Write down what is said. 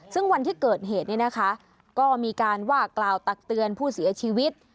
ซึ่งวันที่เกิดเหตุนี้นะคะก็มีการว่ากล่าวตักเตือนผู้เสียชีวิต